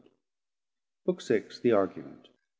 BOOK VI. THE ARGUMENT.